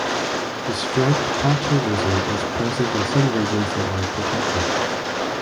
The striped plateau lizard is present in some regions that are protected.